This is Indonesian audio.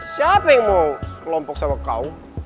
siapa yang mau sekolah pokok sama kau